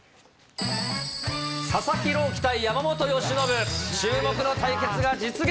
佐々木朗希対山本由伸、注目の対決が実現。